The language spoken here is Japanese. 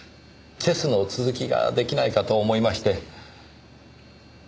チェスの続きが出来ないかと思いまして。